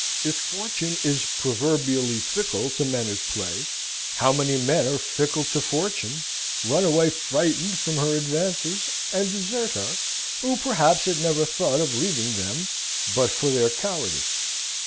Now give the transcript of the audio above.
If Fortune is proverbially fickle to men at play, how many men are fickle to Fortune, run away frightened from her advances; and desert her, who, perhaps, had never thought of leaving them but for their cowardice.